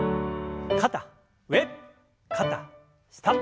肩上肩下。